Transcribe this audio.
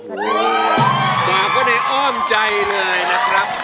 หลาวก็ในอ้อมใจเลยนะครับ